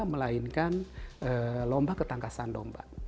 melainkan lomba ketangkasan domba